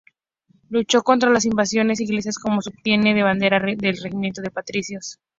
Luchó contra las Invasiones Inglesas como subteniente de bandera del Regimiento de Patricios.